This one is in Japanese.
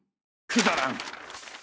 くだらん。